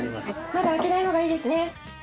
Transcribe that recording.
まだ開けないほうがいいですね。